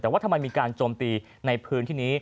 แต่ว่าทำไมมีการโจมตีในพื้นที่นี้